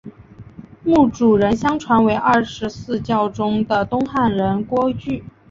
墓主人相传为二十四孝中的东汉人郭巨。